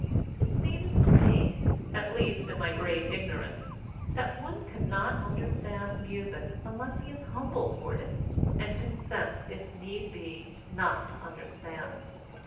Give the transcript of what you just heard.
It seems to me, at least, in my great ignorance, that one can not understand music unless he is humble toward it, and consents, if need be, not to understand.